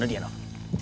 ada di silama